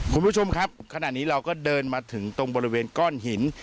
คุณผู้ชมครับขณะนี้เราก็เดินมาถึงตรงบริเวณก้อนหิน